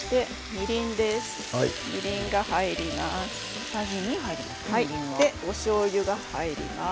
みりんが入ります。